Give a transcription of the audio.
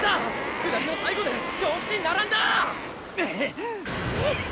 下りの最後で京伏並んだ！